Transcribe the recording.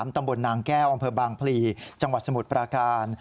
ตำบลนางแก้วอำเภอบางพลีจังหวัดสมุทรปราการ